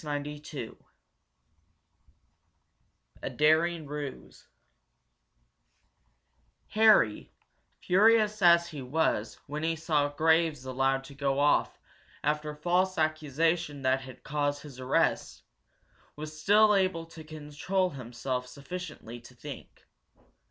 CHAPTER XV A DARING RUSE Harry, furious as he was when he saw Graves allowed to go off after false accusation that had caused his arrest, was still able to control himself sufficiently to think.